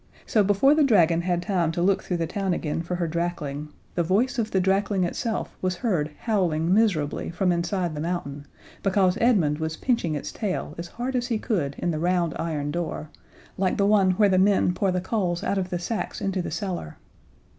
So before the dragon had time to look through the town again for her drakling, the voice of the drakling itself was heard howling miserably from inside the mountain, because Edmund was pinching its tail as hard as he could in the round iron door, like the one where the men pour the coals out of the sacks into the cellar.